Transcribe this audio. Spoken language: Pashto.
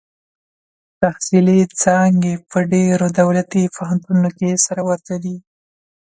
تحصیلي څانګې په ډېرو دولتي پوهنتونونو کې سره ورته دي.